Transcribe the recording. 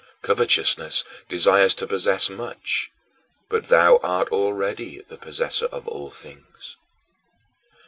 Covetousness desires to possess much; but thou art already the possessor of all things.